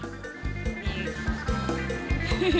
มี